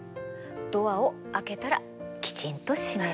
ドアを開けたらきちんと閉める！